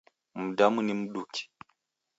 Mdamu ni mnduki?